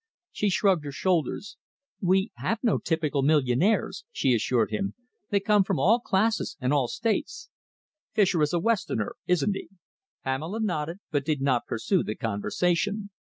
She shrugged her shoulders. "We have no typical millionaires," she assured him. "They come from all classes and all States." "Fischer is a Westerner, isn't he?" Pamela nodded, but did not pursue the conversation.